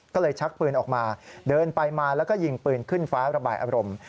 ก็เลยชักปืนออกมาเดินไปมาแล้วก็ยิงปืนขึ้นฟ้าระบายอารมณ์